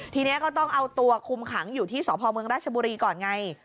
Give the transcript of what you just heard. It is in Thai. ทีนี้ก็ต้องเอาตัวคุมขังอยู่ที่สพเมืองราชบุรีก่อนไง